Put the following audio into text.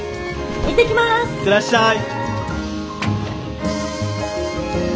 行ってらっしゃい。